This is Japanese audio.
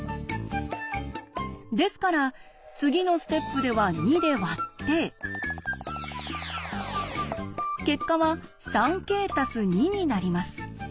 ですから次のステップでは２で割って結果は「３ｋ＋２」になります。